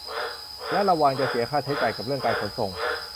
และระวังจะเสียค่าใช้จ่ายกับเรื่องการขนส่ง